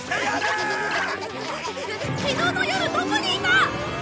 昨日の夜どこにいた！